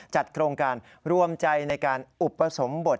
โครงการรวมใจในการอุปสมบท